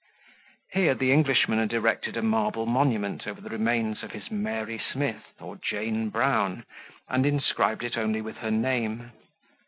Here the Englishman had erected a marble monument over the remains of his Mary Smith or Jane Brown, and inscribed it only with her name.